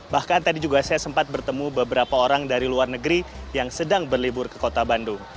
bahkan tadi juga saya sempat bertemu beberapa orang dari luar negeri yang sedang berlibur ke kota bandung